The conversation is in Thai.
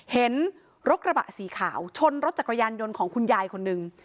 เห็นรถกระบะสีขาวชนรถจักรยานยนต์ของคุณยายคนหนึ่ง